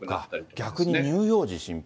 逆に乳幼児心配。